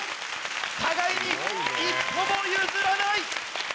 互いに一歩も譲らない！